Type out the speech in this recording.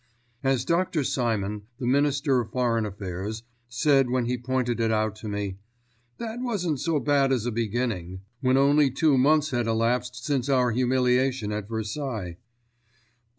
As Dr. Simon, the Minister of Foreign Affairs, said when he pointed it out to me, "That wasn't so bad as a beginning when only two months had elapsed since our humiliation at Versailles."